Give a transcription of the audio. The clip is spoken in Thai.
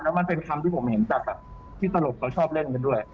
มันเป็นคำที่ผมเห็นจากที่ตลกเขาชอบเล่นกันด้วย